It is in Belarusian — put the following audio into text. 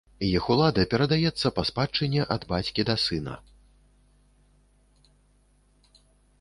Іх улада перадаецца па спадчыне ад бацькі да сына.